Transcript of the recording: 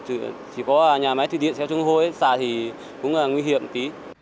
chỉ có nhà máy thủy điện xeo trung hô xa thì cũng nguy hiểm tí